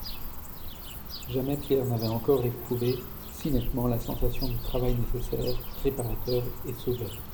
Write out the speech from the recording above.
Jamais Pierre n'avait encore éprouvé si nettement la sensation du travail nécessaire, réparateur et sauveur.